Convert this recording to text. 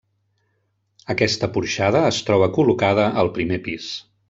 Aquesta porxada es troba col·locada al primer pis.